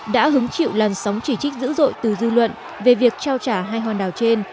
đã hứng chịu làn sóng chỉ trích dữ dội từ dư luận về việc trao trả hai hòn đảo trên